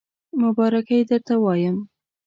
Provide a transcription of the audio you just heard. مبارکی درته وایم